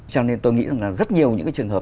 cho nên tôi nghĩ là rất nhiều những trường hợp